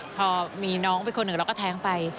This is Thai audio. พอมีน้องเป็นคนหนึ่งเราก็แท้งไป